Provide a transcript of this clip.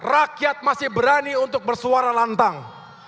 rakyat masih berani untuk bersuara lantang